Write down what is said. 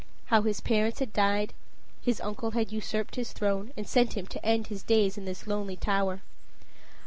How his parents had died his uncle had usurped his throne, and sent him to end his days in this lonely tower.